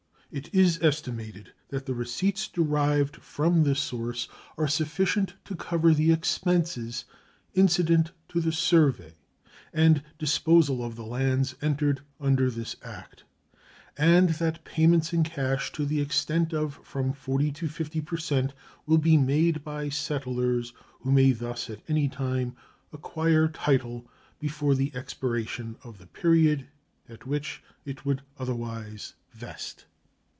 It is estimated that the receipts derived from this source are sufficient to cover the expenses incident to the survey and disposal of the lands entered under this act, and that payments in cash to the extent of from 40 to 50 per cent will be made by settlers who may thus at any time acquire title before the expiration of the period at which it would otherwise vest.